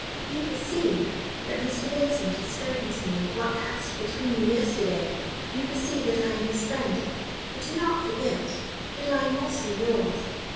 "You perceive that Mr. Vincent has spoken to me of what passed between you yesterday. You perceive that I am his friend, but do not forget that I am also yours.